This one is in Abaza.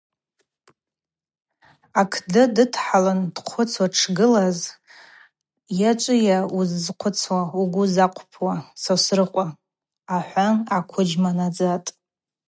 Акды дыдхӏалын дхъвыцуа дшгылаз: Йачӏвыйа уыззхъвыцуа, угвы ззакъвпуа, Сосрыкъва? — ахӏван аквыджьма надзатӏ.